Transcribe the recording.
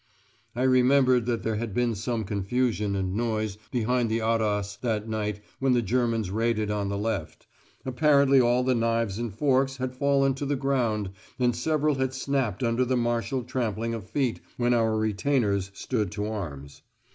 I remembered there had been some confusion and noise behind the arras that night when the Germans raided on the left; apparently all the knives and forks had fallen to the ground and several had snapped under the martial trampling of feet when our retainers stood to arms.